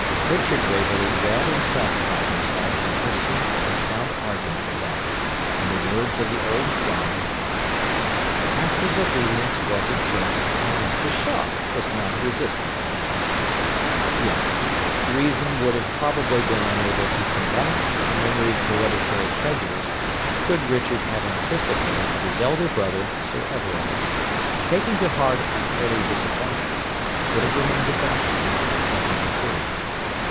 Richard Waverley read and satisfied himself from history and sound argument that, in the words of the old song, Passive obedience was a jest, And pshaw! was non resistance; yet reason would have probably been unable to combat and remove hereditary prejudice could Richard have anticipated that his elder brother, Sir Everard, taking to heart an early disappointment, would have remained a bachelor at seventy two.